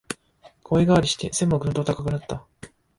声変わりして背もぐんと高くなった